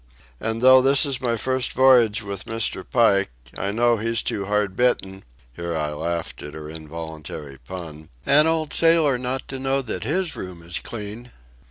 And though this is my first voyage with Mr. Pike I know he's too hard bitten" (here I laughed at her involuntary pun) "an old sailor not to know that his room is clean.